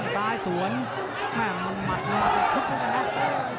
เผ่าฝั่งโขงหมดยก๒